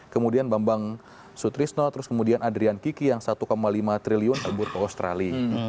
kemudian bambang sutrisno terus kemudian adrian kiki yang satu lima triliun kabur ke australia